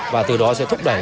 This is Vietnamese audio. và từ đó sẽ thúc đẩy